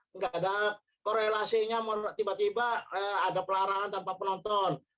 nggak ada korelasinya tiba tiba ada pelarangan tanpa penonton